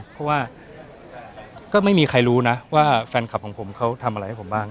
เพราะว่าก็ไม่มีใครรู้นะว่าแฟนคลับของผมเขาทำอะไรให้ผมบ้าง